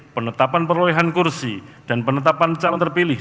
penetapan perolehan kursi dan penetapan calon terpilih